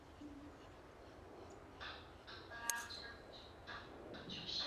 热利亚博夫镇市镇是俄罗斯联邦沃洛格达州乌斯秋日纳区所属的一个市镇。